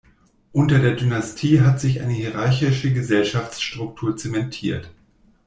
Unter der Dynastie hat sich eine hierarchische Gesellschaftsstruktur zementiert.